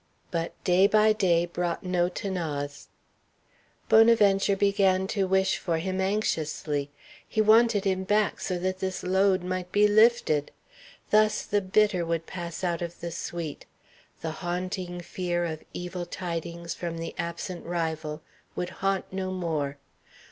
But day by day brought no 'Thanase. Bonaventure began to wish for him anxiously. He wanted him back so that this load might be lifted. Thus the bitter would pass out of the sweet; the haunting fear of evil tidings from the absent rival would haunt no more.